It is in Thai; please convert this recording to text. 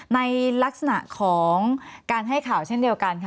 ในลักษณะของการให้ข่าวเช่นเดียวกันค่ะ